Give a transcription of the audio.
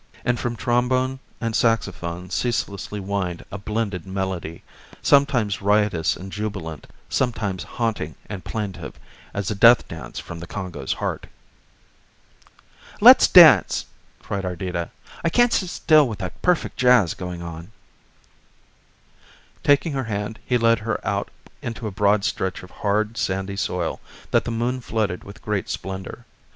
And from trombone and saxaphone ceaselessly whined a blended melody, sometimes riotous and jubilant, sometimes haunting and plaintive as a death dance from the Congo's heart. "Let's dance," cried Ardita. "I can't sit still with that perfect jazz going on." Taking her hand he led her out into a broad stretch of hard sandy soil that the moon flooded with great splendor.